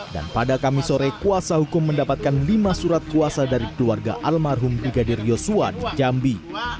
dan pada kamis sore kuasa hukum mendapatkan lima surat kuasa dari keluarga almarhum brigadir yosua di jambi